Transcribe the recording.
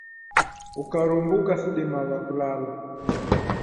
Ukarumbuka sidimagha kulala.